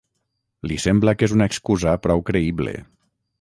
Li sembla que és una excusa prou creïble.